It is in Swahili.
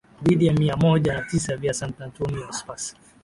dhidi ya mia moja na tisa vya santantonio spurs